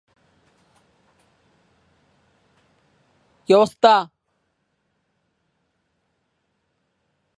তাদের এক পুত্র, চার্লি।